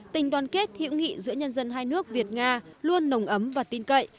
tình đoàn kết hữu nghị giữa nhân dân hai nước việt nga luôn nồng ấm và tin cậy